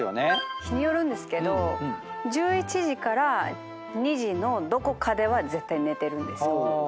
日によるんですけど１１時から２時のどこかでは絶対寝てるんですよ。